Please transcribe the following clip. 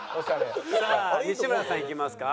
さあ西村さんいきますか？